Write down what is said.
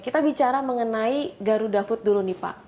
kita bicara mengenai garuda food dulu nih pak